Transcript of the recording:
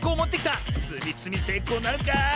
つみつみせいこうなるか？